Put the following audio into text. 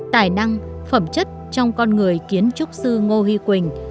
tài năng phẩm chất trong con người kiến trúc sư ngô huy quỳnh